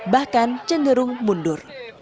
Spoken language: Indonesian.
bahkan cenderung mundur